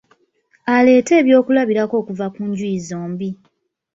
Aleete eby'okulabirako okuva ku njuyi zombi.